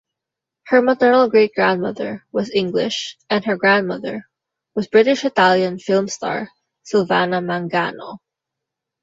Her maternal great-grandmother was English and her grandmother was British-Italian film star Silvana Mangano.